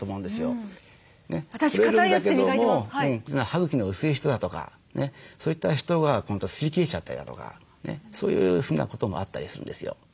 歯茎の薄い人だとかそういった人は今度すり切れちゃったりだとかそういうふうなこともあったりするんですよ。